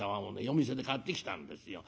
夜店で買ってきたんですよ。